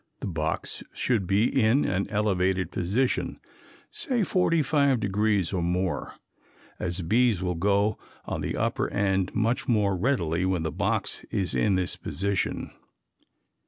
The box should be in an elevated position, say forty five degrees or more, as bees will go on the upper end much more readily when the box is in this position.